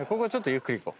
ゆっくりいこう。